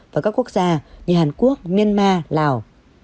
và các quốc gia như hàn quốc myanmar lào